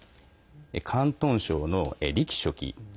広東省の李希書記。